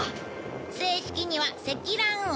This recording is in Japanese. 正式には積乱雲。